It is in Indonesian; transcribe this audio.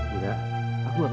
enggak aku gak keberatan